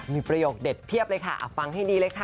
มีประโยคเด็ดเพียบเลยค่ะฟังให้ดีเลยค่ะ